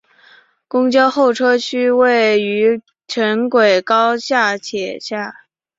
公交候车区位于城轨高架桥下。